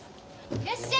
いらっしゃい！